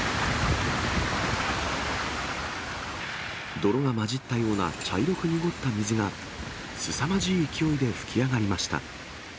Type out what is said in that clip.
泥が混じったような茶色く濁った水が、すさまじい勢いで噴き上がりました。